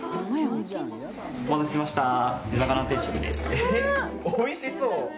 えっおいしそう！